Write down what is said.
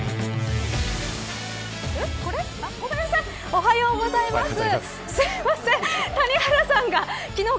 おはようございます。